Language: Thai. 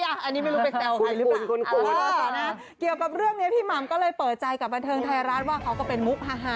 อันนี้ไม่รู้ไปแซวใครหรือเปล่านะเกี่ยวกับเรื่องนี้พี่หม่ำก็เลยเปิดใจกับบันเทิงไทยรัฐว่าเขาก็เป็นมุกฮา